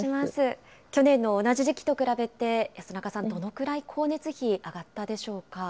去年の同じ時期と比べて、安中さん、どのくらい光熱費、上がったでしょうか。